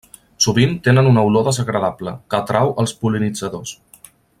Sovint tenen una olor desagradable, que atrau els pol·linitzadors.